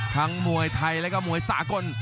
มวยไทยแล้วก็มวยสากล